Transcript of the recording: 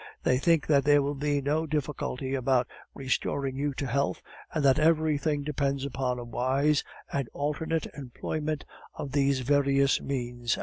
They think that there will be no difficulty about restoring you to health, and that everything depends upon a wise and alternate employment of these various means.